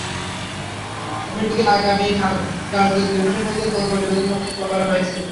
কমিটিকে আগামী সাত কার্যদিবসের মধ্যে তদন্ত প্রতিবেদন জমা দিতে বলা হয়েছে।